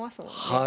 はい。